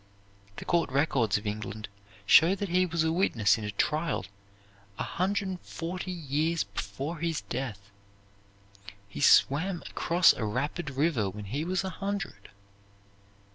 The court records of England show that he was a witness in a trial a hundred and forty years before his death. He swam across a rapid river when he was a hundred.